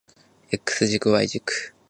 X 軸 Y 軸